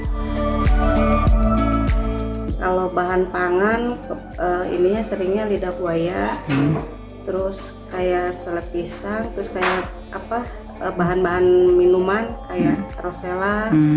kalau bahan pangan ininya seringnya lidah buaya terus kayak seleb pisang terus kayak bahan bahan minuman kayak rosella